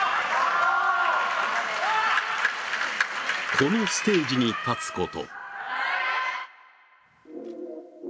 このステージに立つこと。